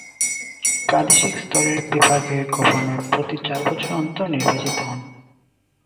প্রাদেশিক স্তরের বিভাগের গভর্নর প্রতি চার বছর অন্তর নির্বাচিত হন।